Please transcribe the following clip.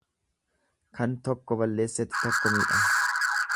Kan tokko balleessetti tokko miidhama.